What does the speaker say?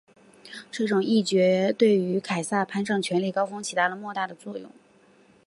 这种议决对于凯撒攀上权力高峰起了莫大的作用。